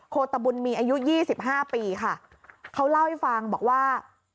ตบุญมีอายุยี่สิบห้าปีค่ะเขาเล่าให้ฟังบอกว่า